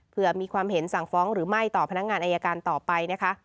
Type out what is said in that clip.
เพื่อมีความเห็นสั่งฟ้องหรือไม่ต่อพนักงานอายการต่อไปนะคะ